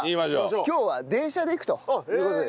今日は電車で行くという事です。